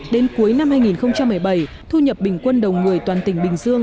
đến cuối năm hai nghìn một mươi bảy thu nhập bình quân đầu người toàn tỉnh bình dương